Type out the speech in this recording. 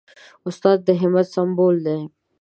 استاد د همت سمبول دی.